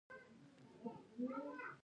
پایڅه باید پورته کړم، سمه ده زما ورکوټیه.